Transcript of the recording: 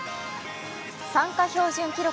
参加標準記録